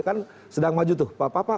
kan sedang maju tuh